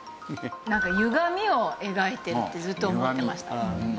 なんかゆがみを描いてるってずっと思ってました。